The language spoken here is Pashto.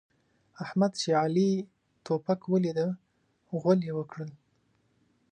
احمد چې علي توپک وليد؛ غول يې وکړل.